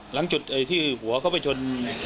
หลังจุดที่หัวเขาไปชน